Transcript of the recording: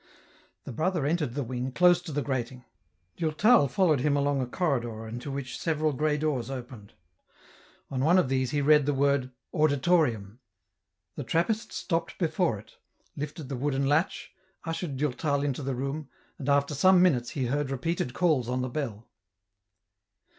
The brother entered the wing close to the grating. Durtal followed him along a corridor into which several grey doors opened ; on one of these he read the word " Auditorium." The Trappist stopped before it, lifted the wooden latch, ushered Durtal into the room, and after some minutes he heard repeated calls on the bell.